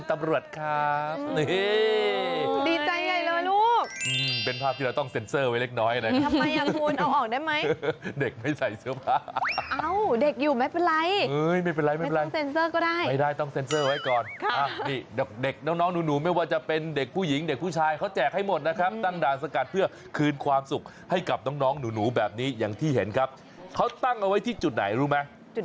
ไม่ต้องเซนเซอร์ก็ได้ค่ะนี่เด็กน้องหนูไม่ว่าจะเป็นเด็กผู้หญิงเด็กผู้ชายเขาแจกให้หมดนะครับตั้งด่าสกัดเพื่อคืนความสุขให้กับน้องหนูแบบนี้อย่างที่เห็นครับเขาตั้งเอาไว้ที่จุดไหนรู้ไหม